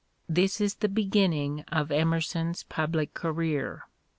This is the beginning of Emerson's public career.